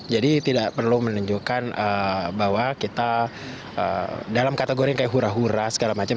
jadi tidak perlu menunjukkan bahwa kita dalam kategori yang kayak hura hura segala macam